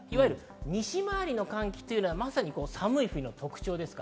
西回りの寒気はまさに寒い冬の特徴です。